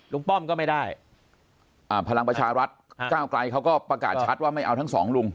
ป้อมก็ไม่ได้พลังประชารัฐก้าวไกลเขาก็ประกาศชัดว่าไม่เอาทั้งสองลุง